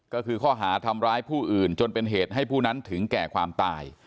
ก็คือข้อหาทำร้ายผู้อื่นจนเป็นเหตุให้ผู้นั้นถึงแก่ความตาย